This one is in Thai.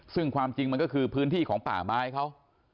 ซึ่งความจริงมันก็คือพื้นที่ของป่าไม้เขา